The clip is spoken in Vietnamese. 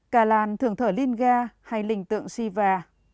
cả làn thường thở linh ga hay lình tượng siva